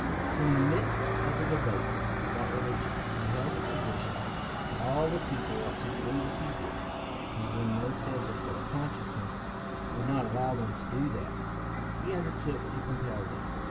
In the midst of the debates about religion he held the position that all the people ought to believe as he did, and when they said that their consciences would not allow them to do that, he under took to compel them.